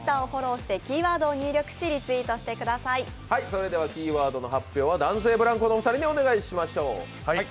それではキーワードの発表は男性ブランコのお二人にお願いしましょう。